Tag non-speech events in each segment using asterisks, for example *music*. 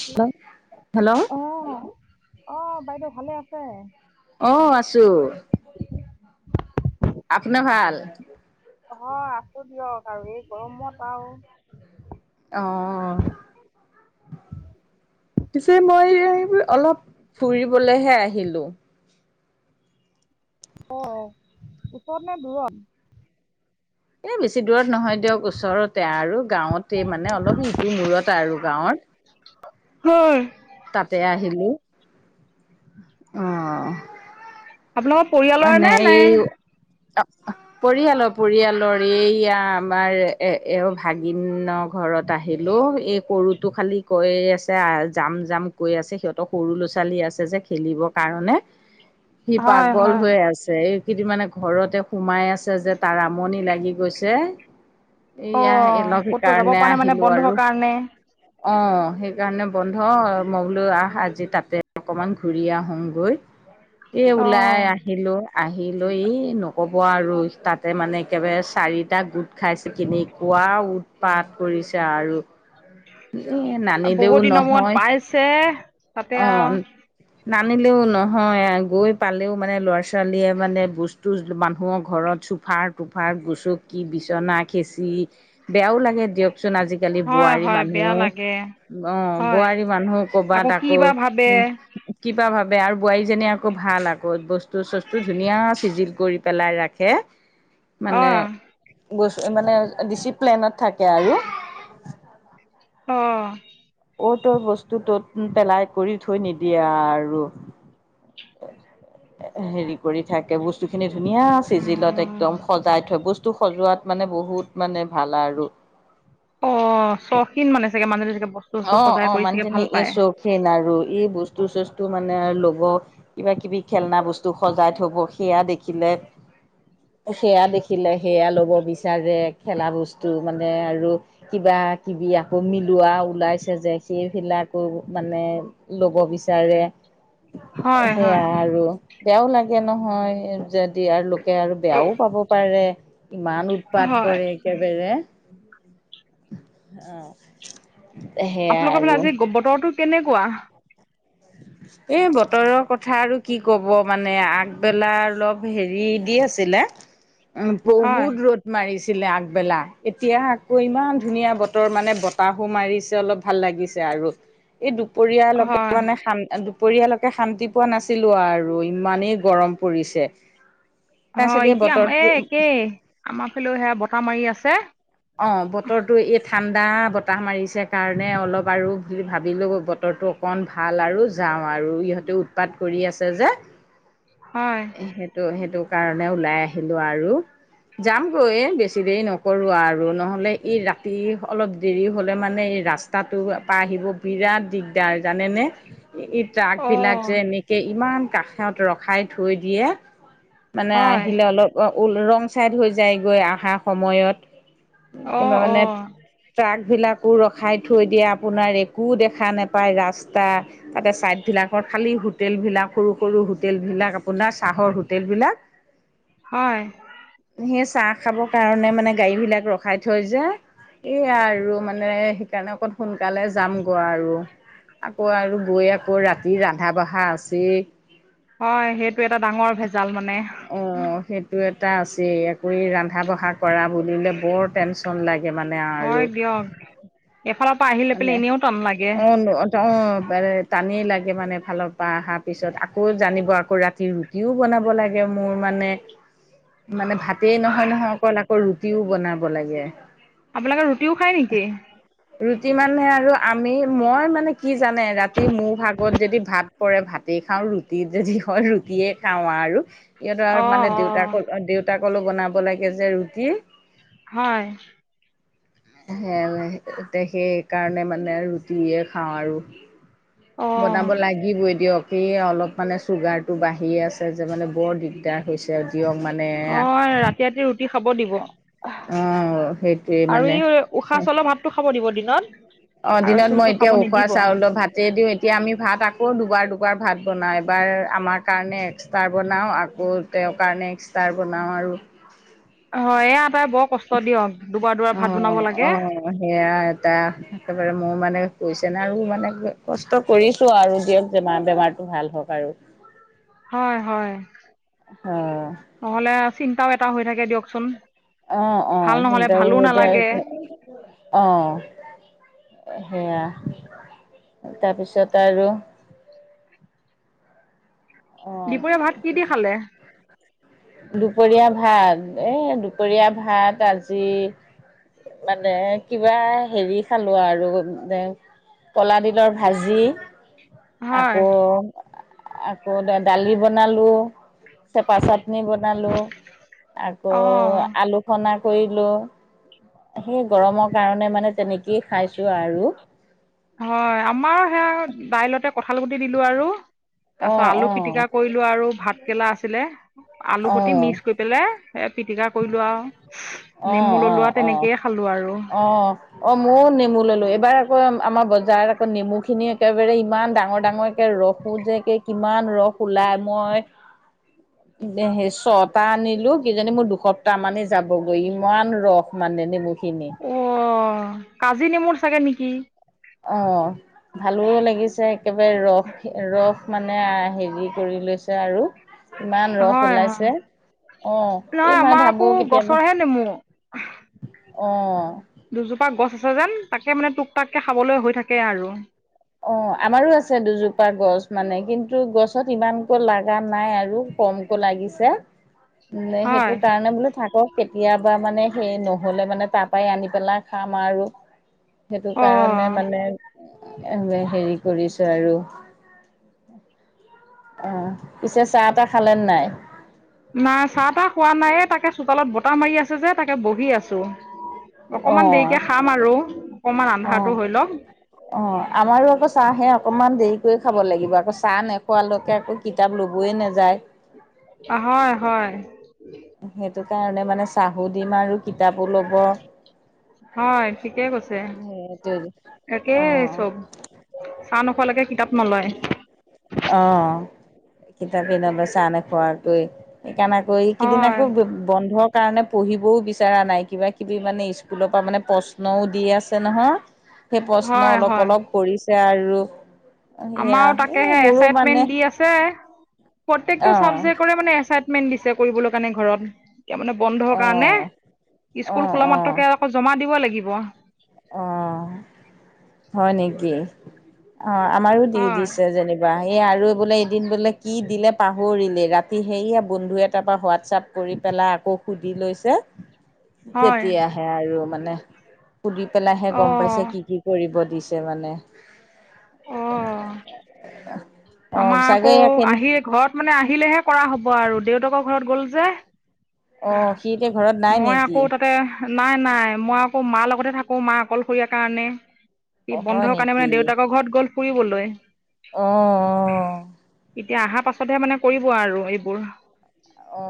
Hello hello. অহ অহ বাইদেউ ভালে আছে? অহ আছো। আপোনাৰ ভাল? নহয় আছো দিয়ক আৰু এই গৰমত আও। আহ। পিছে মই অলপ ফুৰিবলৈহে আহিলো। অ অ ওচৰত নে দূৰত? এ বেছি দূৰত নহয় দিয়ক ওচৰতে আৰু গাঁৱতে মানে অলপ ইটো মূৰত আৰু গাঁৱৰত। হয়। তাতে আহিলো আহ। আপোনালোকৰ পৰিয়ালৰ নে নে? অহ পৰিয়ালৰ পৰিয়ালৰ এইয়া আমাৰ এ এ ভাগিনক ঘৰত আহিলো এই সৰুতো খালি কৈ আছে যাম যাম কৈ আছে সিহঁতক সৰু ল'ৰা ছোৱালী আছে যে খেলিবৰ কাৰণে। *unintelligible* *unintelligible* হয়, হয়। থিকেই আছে। এইকেইদিন মানে ঘৰতে সোমাই আছে যে তাৰ আমনি লাগি গৈছে। এয়া অ', অলপ ক'তো যাব সেইকাৰণে পৰা নাই মানে আহিলো বন্ধৰ আৰু। কাৰণে। অহ সেইকাৰণে বন্ধ বোলো আহ আজি তাতে অকমান ঘূৰি আহো গৈ এ ওলাই অ', আহিলো। আহি লৈ নক'ব আৰু তাতে মানে একেবাৰে চাৰিটা গোট খাইছে কিনেকোৱা উৎপাত কৰিছে আৰু। এ নানিলেও বহুত দিনৰ মূৰত নহয় পাইছে তাতে অ' আৰু। নানিলেও নহয় গৈ পালেও মানে ল'ৰা ছোৱালীয়ে মানে বস্তু মানুহৰ ঘৰত চোফাৰ টোফাৰ গুচু কি বিচনা খেচি বেয়াও লাগে দিয়কচোন আজিকালি আজিকালি হয়, বোৱাৰী হয় মানুহ। বেয়া লাগে অ হয়, বোৱাৰী মানুহ কৰবাত কি আকৌ বা ভাবে। কিবা ভাবে আৰু বোৱাৰীজনী আকৌ ভাল আ বহুত বস্তু চস্তু ধুনীয়া চিজিল কৰি পেলাই ৰাখে। মানে অ', বছ মানে ডিচিপ্লেইনত থাকে আৰু। অ। অৰ তৰ বস্তু তত পেলাই কৰি থৈ নিদিয়ে আৰু। হেৰি কৰি থাকে। বস্তুখিনি ধুনীয়া চিজিলত অ', একদম সজ টাইট হয় বস্তু সজোৱাত মানে বহুত মানে ভাল আৰু। অ চখীন মানে চাগে মানুহটো চাগে বস্তু চস্তু অ সজাই অ কৰি চাগে ভাল মানুহজনী এই পায়। চখিন আৰু ই বস্তু চস্তু মানে ল'ব, কিবা কিবি খেলনা বস্তু সজাই থব সেয়া দেখিলে সেয়া দেখিলে সেয়া ল'ব বিচাৰে। খেলা বস্তু মানে আৰু কিবা-কিবি আকৌ মিলোৱাও ওলাইছে যে সেইবিলাকো মানে ল'ব বিচাৰে। হয়, হয়। সেয়া আৰু। বেয়াও লাগে নহয় যদি আৰ কে আৰু বেয়াও পাব পাৰে ইমান উৎপাত হয় কৰে একেবাৰে। অ। এ সে আপোনালোকৰ ফালে আজি বতৰটো কেনেকুৱা? এ বতৰৰ কথা আৰু কি ক'ব মানে আগবেলা অলপ হেৰি দি আছিলে হয় বহুত ৰ'দ মাৰিছিলে আগবেলা। এতিয়া আকৌ ইমান ধুনীয়া বতৰ মানে বতাহো মাৰিছে অলপ। ভাল লাগিছে আৰু এই দুপৰীয়ালকে হয় মানে *unintelligible* দুপৰীয়ালৈকে শান্তি পোৱা নাছিলো আৰু ইমানেই গৰম পৰিছে। তাৰপিছত হয় এই এতিয়া এই বতৰটো একেই। আমাৰ ফালেও সেয়া বতাহ মাৰি আছে। অ, বতৰটো এই ঠাণ্ডা বতাহ মাৰিছে কাৰণে অলপ আৰু বুলি ভাবিলোঁ বতৰটো অকণ ভাল আৰু যাওঁ আৰু ইহঁতেও উৎপাত কৰি আছে যে। হয়। সেটো সেটো কাৰণে ওলাই আহিলো আৰু যামগৈ বেছি দেৰি নকৰো আৰ আৰু নহ'লে এই ৰাতি অলপ দেৰি হ'লে মানে এই ৰাস্তাটোৰ পা আহিব বিৰাট দিগ দাৰ জানেনে? এই ট্ৰাক অ বিলাক যে এনি ইমান কাষত ৰখাই থৈ দিয়ে। মানে হয় আহিলে অলপ অ ওল ৰং চাইড হৈ যায় গৈ আহা সময়ত। অ কিবা অ মানে ট্ৰাকবিলাকো ৰখাই থৈ দিয়ে আপোনাৰ একো দেখা নাপায় ৰাস্তা। তাতে ছাইডবিলাকত খালি হোটেল বিলাক সৰু সৰু হোটেল বিলাক আপোনাৰ চাহৰ হোটেলবিলাক হয়। সেই চাহ খাবৰ কাৰণে মানে গাড়ী বিলাক ৰখ ৰখাই থৈ যে, এইয়া আৰু মানে সেইকাৰণে অকণ সোনকালে যাম গৈ আৰু। আকৌ আৰু গৈ আকৌ ৰাতি ৰান্ধা-বঢ়া আছেই। হয়, সেইটো এটা ডাঙৰ ভেজাল মানে। অ, সেইটো এটা আছেই। আকৌ এই ৰন্ধা-বঢ়া কৰা বুলিলে বৰ টেনচন লাগে মানে আৰু। এফালৰ পৰা আহি লৈ মানে পেলাই এনেও টন লাগে। অ টানেই লাগে মানে এফালৰ পৰা আহাৰ পিছত। আকৌ জানিব আকৌ ৰাতিৰ তিও বনাব লাগে মোৰ মানে। *inaudible* মানে ভাতেই নহয় নহয় অকল, আকৌ ৰুটিও বনাব লাগে। আপোনালোকে ৰুটিও খায় নেকি? ৰুটি মানে আৰু আমি মই মানে কি জানে ৰাতি মোৰ ভাগত যদি ভাত পৰে ভাতেই খাওঁ। ৰুটিত যদি হয় ৰুটিয়ে খাওঁ আৰু। সিহঁতৰ অ আৰু মানে অ দেউতাকৰ দেউতাকৰলে বনাব লাগে যে ৰুটি। হয়। *unintelligible* সেইকাৰণে মানে ৰুটিয়ে খাওঁ আৰু অ বনাব লাগে কিবই দিয়ক এই অলপ মানে চুগাৰটো বাঢ়ি আছে যে মানে বৰ দিক দাৰ হৈছে দিয়ক মানে অ তে ৰাতি ৰুটি খাব দিব এহ অ সেইটোৱে। আৰু মানে ই উখোৱা চাউলৰ ভাতটো খাব দিব দিনত। অ, আৰু দিনত মই চোলটো খাব এতিয়া উখোৱা নিদিব চাউলৰ ভাত তে দিওঁ এতিয়া আমি ভাত আকৌ দুবাৰ দুবাৰ ভাত বনাওঁ এবাৰ আমাৰ কাৰণে এক্সট্ৰা বনাওঁ আকৌ তেওঁ কাৰণে এক্সষ্ট্ৰা বনাওঁ আৰু অ এয়া এটা বৰ কষ্ট দিয়ক দুবাৰ দুবাৰ ভাত বনাব অ' লাগে অ' সেয়া এটা একেবাৰে মোৰ মানে কৈছে না আৰু মানে কষ্ট কৰিছো আৰু দিয়ক বেমাৰ বেমাৰটো ভাল হওঁক আৰু হয় হয় অ' নহলে চিন্তাও এটা হৈ থাকে দিয়কচোন অ অ ভাল নহ'লে চিন্তাও ভালো হৈ নালাগে থাকে অহ সেয়া তাৰপিছত আৰু অ', দুপৰীয়া ভাত কি দি খালে দুপৰীয়া ভাত এ দুপৰীয়া ভাত আজি মানে কিবা হেৰি খালো আৰু নে কলাডিলৰ ভাজি হয় আকৌ অ দা দালি বনালো চেপা চাটনি বনালো আকৌ অঁ আলু সনা কৰিলো সেই গৰমৰ কাৰণে মানে তেনেকেই খাইছোঁ আৰু হয় আমাৰো সেয়া দাইলতে কঠাল গুটি দিলো আৰু তাৰপাছত অ', আলু অ', পিটিকা কৰিলো আৰু ভাতকেলা আছিলে আলু সতি অ', মিক্স কৰি পেলাই পিটিকা কৰিলো আও অ', নেমু ললো অ', আও অ', তেনেকেই খালো আৰু। অ'। অ ময়ো নেমু ললো এইবাৰ আকৌ আমাৰ বজাৰত আকৌ নেমু খিনি একেবাৰে ইমান ডাঙৰ ডাঙৰ এ ৰখো যে কে কিমান ৰস ওলাই মই *inaudible* সে ছটা আনিলো কিজানি মোৰ দু এসপ্তাহ মানেই যাবগৈ ইমান ৰস মানে নিমুখিনি অ কাজি নেমু চাগে নিকি অ ভালো লাগিছে একেবাৰে ৰস ৰস মানে অ হেৰি কৰি লৈছে আৰু ইমান ৰস হয় হয় ওলাইছে অ নহয় এই আমাৰ মই আকৌ ভাবো কেতিয়াবা গছৰহে নেমু অ দুজোপা গছ আছে যেন তাকে মানে টুক টাককে খাবলৈ হৈ থাকে আৰু অ আমাৰো আছে দুজোপা গছ মানে কিন্তু গছত ইমানকৈ লাগা নাই আৰু কমকৈ লাগিছে *unintelligible* নে সেইটো হয় কাৰণে বোলো থাকক। কেতিয়াবা মানে সেই নহলে মানে তাৰ পৰাই আনি পেলাই খাম আৰু। সেইটো অ কাৰণে মানে এ হেৰি কৰিছো আৰু। অ পিছে চাহ তাহ খালে নে নাই? নাই চাহ তাহ খোৱা নাই, এ তাকে চোতালত বতাহ মাৰি আছে যে তাকে বহি আছো। অকমান অ', দেৰিকে খাম আৰু অকমান অ'। আন্ধাৰটো হৈ লক। অ আমাৰো আকৌ চাহ হে অকনমান দেৰি কৈ খাব লাগিব আকৌ চাহ নেখোৱালৈকে আকৌ কি কিতাপ ল'বই নাযায়। অ হয় হয়। সেইটো কাৰণে মানে চাহো দিম আৰু কিতাপো ল'ব। হয় ঠিকে কৈছে, সেইটোৱে। অ একেই এইচব চাহ নোখোৱালৈকে কিতাপ নলয়। অ কিতাপে নলয় চাহ নেখোৱটোৱে। সেই কাৰণে আকৌ, এইকেইদিন হয় আকৌ বন্ধৰ কাৰণে পঢ়িবও বিচৰা নাই, কিবা কিবি মানে স্কুলৰ পৰা মানে প্ৰশ্নও দি আছে নহয়। সেই প্ৰশ্ন হয় অলপ হয় অলপ কৰিছে আৰু সেয়া এ সে সে মোৰো মানে এচাইটমেন্ত দি আছে? প্ৰত্যেকটো অ চাবজেকৰে মানে এচাইট মেন্ত দিছে কৰিবলৈ কাৰণে ঘৰত, এতিয়া মানে বন্ধৰ অ কাৰণে। অ স্কুল খোলা অ মাত্ৰকে আকৌ জমা দিব লাগিব। অ হয় নেকি? অ আমাৰো দি হয় দিছে যেনিব সেই আৰু বোলে এদিন বোলে কি দিলে পাহৰিলে, ৰাতি সেয়া বন্ধু এটাৰ পৰা হোৱাটছআপ কৰি পেলাই আকৌ সুধি লৈছে হয় তেতিয়াহে আৰু মানে। সুধি পেলাইহে গম পাইছে অঁ কি কি কৰিব দিছে মানে। অঁ *unintelligible* আমাৰ আকৌ কেনে আহি ঘৰত মানে আহিলেহে কৰা হ'ব আৰু দেউতাকৰ ঘৰত গল যে। অ সি এতিয়া ঘৰত নাই মই নেকি? আকৌ নাই নাই মই আকৌ মাৰ লগতে থাকো মা অকলশৰীয়াৰ কাৰণে। সি অ হয় বন্ধৰ কাৰণে নেকি মানে দেউতাকৰ ঘৰত গ'ল ফুৰিবলৈ। অ। এতিয়া অহাৰ পাছতহে মানে কৰিব আৰু এইবোৰ। অ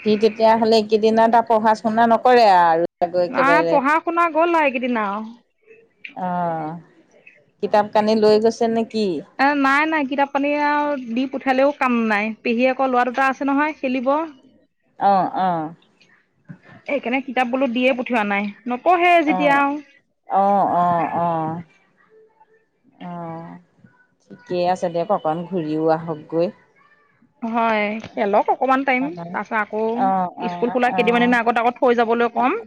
সি তেতিয়া হ'লে এইকেইদনা তাৰ পঢ়া শুনা নকৰে আৰু। গৈ নাই একেবাৰে পঢ়া শুনা গ'ল আও এইকেইদিন আও। অ কিতাপ কানি লৈ গৈছে নেকি? নাই নাই কিতাপ পানী আৰু দি পঠিয়ালেও কাম নাই পেহীয়েকৰ ল'ৰা দুটা আছে নহয় খেলিব। *unintelligible* অ অ। সেইকাৰণে কিতাপ বোলো দিয়ে পঠিওৱা নাই নপহে যেতিয়া অ', আও অ অ অ। অ ঠিকে আছে দিয়ক অকণ ঘূৰিও আহকগৈ। হয়। খেলক অকণমান টাইম, তাৰপিছত আকৌ অ', অ', স্কুল অ', খোলা কেইদিনমান দিন আগত আগত থৈ যাবলৈ ক'ম।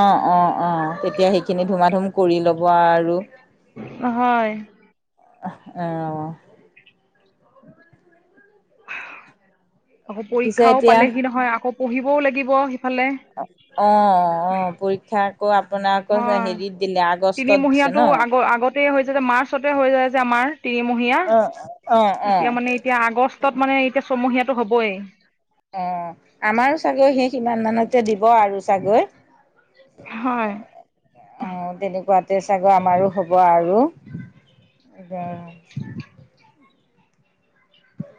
অ অ অ তেতিয়া সেইখিনি ধুমা ধুম কৰি ল'ব আৰু। হয়। অ এঅ আকৌ পিছে পৰীক্ষাও এতিয়া পালে সি নহয়, আকৌ পঢ়িবও লাগিব সিফালে। অ অ পৰীক্ষাৰ হয় দিছে ন? তিনিমহীয়াটো আগ আগতে হৈ যায় যে মাৰ্চতে হৈ যায় যে আমাৰ। তিনিমহীয়া অ', অ', এতিয়া অ', মানে এতিয়া আগষ্টত মানে এতিয়া ছমহীয়াটো হবই। অ আমাৰো চাগে সেই সিমান মানতে দিব আৰু চাগৈ। হয়। আ তেনেকুৱাতে ছাগৰ আমাৰো হ'ব আৰু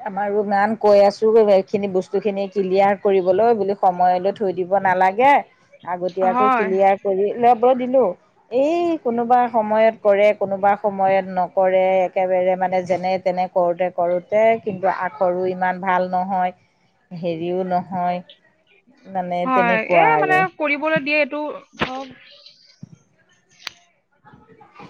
আমাৰোনান কৈ আছো এইখিনি বস্তুখিনি ক্লিয়াৰ কৰিবলৈ বোলো সময়লৈ থৈ দিব নালাগে, আগতীয়াকৈ হয় ক্লিয়াৰ কৰি লব দিলো। এই কোনোবা সময়ত কৰে, কোনোবা সময়ত নকৰে, একেবাৰে মানে যেনে- তেনে কৰোঁতে কৰো তে কিন্তু আখৰো ইমান ভাল নহয়, হেৰিও নহয়? মানে হয় তেনেকুৱা এ মানে আৰু কৰিবলৈ দিয়ে এইটো ধক *unintelligible*